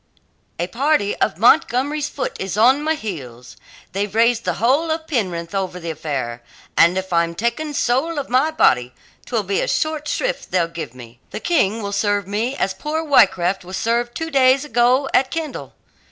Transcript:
"A party of Montgomery's foot is on my heels. They've raised the whole of Penrith over the affair, and if I'm taken, soul of my body, 'twill be a short shrift they'll give me. The King will serve me as poor Wrycraft was served two days ago at Kendal.